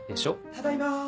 ただいま。